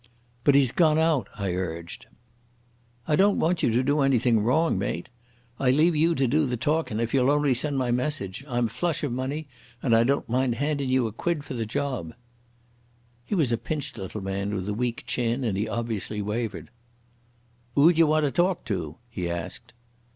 "But he's gone out," I urged. "I don't want you to do anything wrong, mate, I leave you to do the talkin' if you'll only send my message. I'm flush of money, and I don't mind handin' you a quid for the job." He was a pinched little man with a weak chin, and he obviously wavered. "'Oo d'ye want to talk to?" he asked.